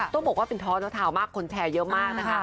ต้องบอกว่าเป็นท้อเนอร์ทาวน์มากคนแชร์เยอะมากนะคะ